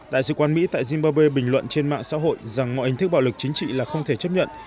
đại sứ quán mỹ tại zimbabwe bình luận trên mạng xã hội rằng mọi hình thức bạo lực chính trị là không thể chấp nhận